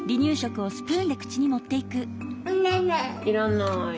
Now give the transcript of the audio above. いらない。